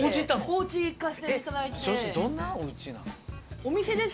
おうち行かせていただいて。